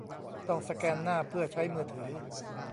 ต้องสแกนหน้าเพื่อใช้มือถือ